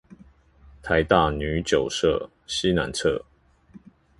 臺大女九舍西南側